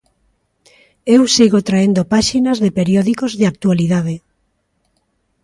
Eu sigo traendo páxinas de periódicos de actualidade.